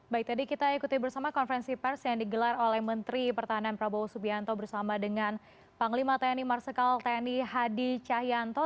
baik tadi kita ikuti bersama konferensi pers yang digelar oleh menteri pertahanan prabowo subianto bersama dengan panglima tni marsikal tni hadi cahyanto